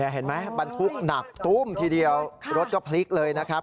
เห็นไหมบรรทุกหนักตุ้มทีเดียวรถก็พลิกเลยนะครับ